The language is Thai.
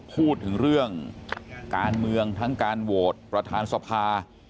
พูดถึงเรื่องการเมืองทั้งการโหวตประธานสภา